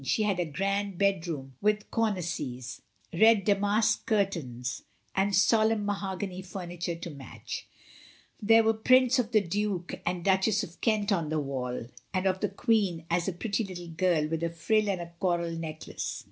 She had a grand bedroom, with cor nices, red damask curtains, and solemn mahogany furniture to match; there were prints of the Duke and Duchess of Kent on the wall, and of the Queen as a pretty little girl with a frill and a coral neck lace.